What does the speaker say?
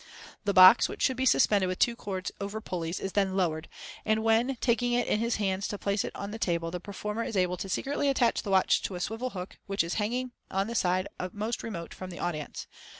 The box, which should be suspended with two cords over pulleys, is then lowered; and when taking it in his hands to place it on the table the performer is able to secretly attach the watch to a swivel hook which is hanging on the side most remote from the audience.